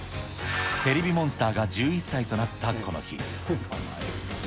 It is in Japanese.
テレビモンスターが１１歳となったこの日。